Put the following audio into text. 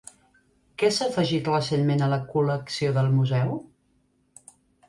Què s'ha afegit recentment a la col·lecció del museu?